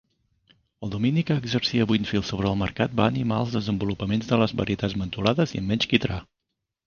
El domini que exercia Winfield sobre el mercat va animar el desenvolupament de les varietats mentolades i amb menys quitrà.